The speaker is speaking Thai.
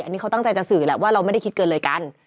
อันนี้เขาตั้งใจจะสื่อแหละว่าเราไม่ได้คิดเกินเลยกัน